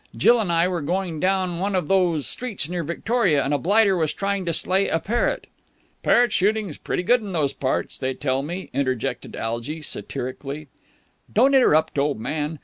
Jill and I were going down one of those streets near Victoria and a blighter was trying to slay a parrot...." "Parrot shooting's pretty good in those parts, they tell me," interjected Algy satirically. "Don't interrupt, old man.